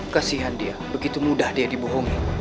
kasihan dia begitu mudah dia dibohongi